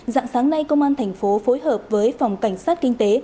dạng sáng nay công an thành phố phối hợp với phòng cảnh sát kinh tế